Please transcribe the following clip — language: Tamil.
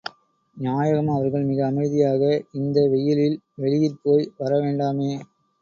நாயகம் அவர்கள் மிக அமைதியாக இந்த வெய்யிலில் வெளியிற் போய் வர வேண்டாமே!